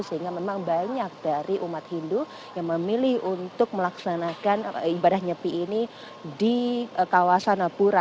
sehingga memang banyak dari umat hindu yang memilih untuk melaksanakan ibadah nyepi ini di kawasan pura